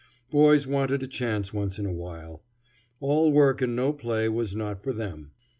Boys wanted a chance once in a while. All work and no play was not for them.